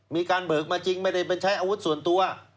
เบิกมาจริงไม่ได้ไปใช้อาวุธส่วนตัว